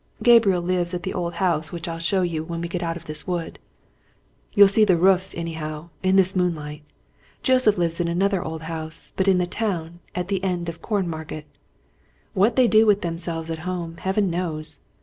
Gabriel lives at the old house which I'll show you when we get out of this wood you'll see the roofs, anyhow, in this moonlight. Joseph lives in another old house, but in the town, at the end of Cornmarket. What they do with themselves at home, Heaven knows!